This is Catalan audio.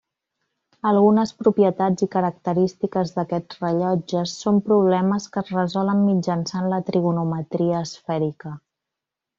Algunes propietats i característiques d'aquests rellotges són problemes que es resolen mitjançant la trigonometria esfèrica.